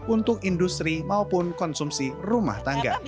untuk industri maupun konsumsi rumah tangga